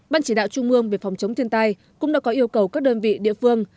ban chỉ đạo trung mương về phòng chống thiên tai cũng đã có yêu cầu các đơn vị địa phương